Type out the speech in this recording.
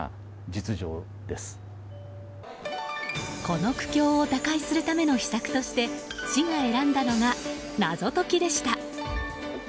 この苦境を打開するための秘策として市が選んだのが謎解きでした。